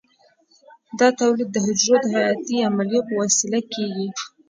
دا تولید د حجرو د حیاتي عملیو په وسیله کېږي.